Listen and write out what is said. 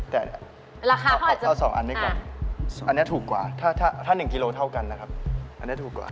แต่ราคา๒อันนี้ก่อนอันนี้ถูกกว่าถ้า๑กิโลเท่ากันนะครับอันนี้ถูกกว่า